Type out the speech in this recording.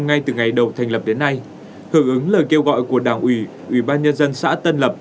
ngay từ ngày đầu thành lập đến nay hưởng ứng lời kêu gọi của đảng ủy ủy ban nhân dân xã tân lập